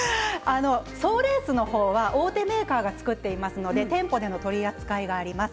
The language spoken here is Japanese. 総レースの方は大手メーカーが作っていますので店舗での取り扱いがあります。